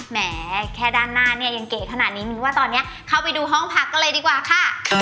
แหมแค่ด้านหน้าเนี่ยยังเก๋ขนาดนี้มิ้นว่าตอนนี้เข้าไปดูห้องพักกันเลยดีกว่าค่ะ